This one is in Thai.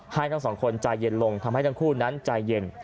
ทั้งสองคนใจเย็นลงทำให้ทั้งคู่นั้นใจเย็น